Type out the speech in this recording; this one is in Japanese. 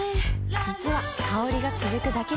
実は香りが続くだけじゃない